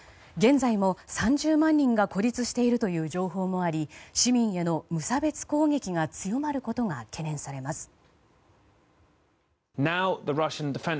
現在も３０万人が孤立しているという情報もあり市民への無差別攻撃が強まることが懸念されます。